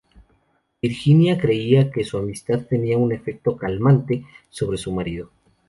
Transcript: Virginia creía que su amistad tenía un efecto "calmante" sobre su marido.